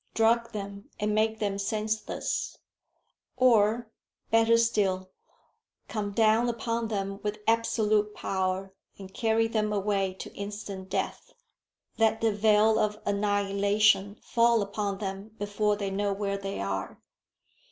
Drug them and make them senseless; or, better still, come down upon them with absolute power, and carry them away to instant death. Let the veil of annihilation fall upon them before they know where they are.